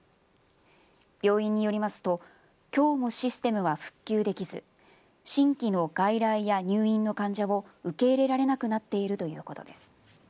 病院によりますときょうもシステムは復旧できず新規の外来や入院の患者を受け入れられなくなっているということです。